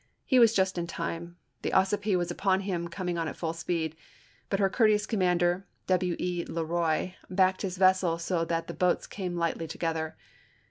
He was just in time ; the Ossipee was upon him, coming at full speed; but her courteous commander, W. E. Le Roy, backed his vessel so that the boats came lightly together.